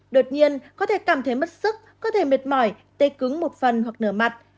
đột nhiên có thể cảm thấy mất sức có thể mệt mỏi tê cứng một phần hoặc nở mặt